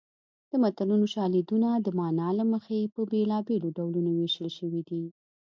د متلونو شالیدونه د مانا له مخې په بېلابېلو ډولونو ویشل شوي دي